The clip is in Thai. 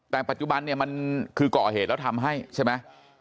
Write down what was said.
แต่ปัจจุบันเนี่ยมันคือก่อเหตุแล้วทำให้ใช่ไหม